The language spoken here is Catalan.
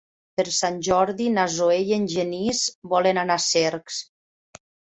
Per Sant Jordi na Zoè i en Genís volen anar a Cercs.